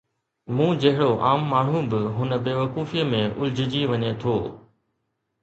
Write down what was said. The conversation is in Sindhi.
مون جهڙو عام ماڻهو به هن بيوقوفيءَ ۾ الجھجي وڃي ٿو.